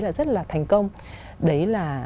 là rất là thành công đấy là